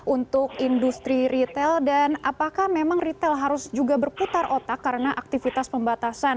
untuk industri retail dan apakah memang retail harus juga berputar otak karena aktivitas pembatasan